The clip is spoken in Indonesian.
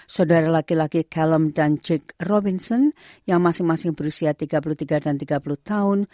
saudara laki laki callem dan jack rovinson yang masing masing berusia tiga puluh tiga dan tiga puluh tahun